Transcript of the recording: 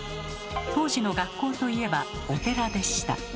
当時の「学校」と言えばお寺でした。